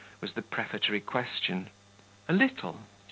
was the prefatory question. "A little."